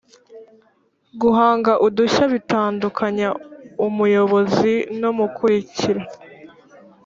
"guhanga udushya bitandukanya umuyobozi n'umukurikira."